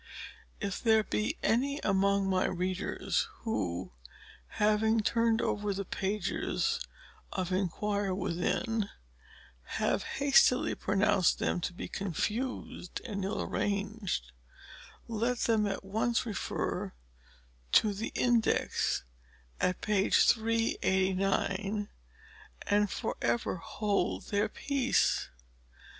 If there be any among my Readers who, having turned over the pages of "ENQUIRE WITHIN," have hastily pronounced them to be confused and ill arranged, let them at once refer to THE INDEX, at page 389*, and for ever hold their peace.